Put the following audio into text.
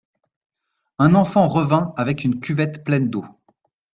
Un enfant revint avec une cuvette pleine d'eau.